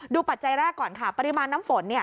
ปัจจัยแรกก่อนค่ะปริมาณน้ำฝน